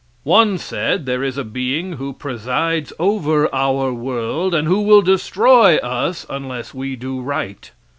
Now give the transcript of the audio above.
One said there is a being who presides over our world, and who will destroy us unless we do right.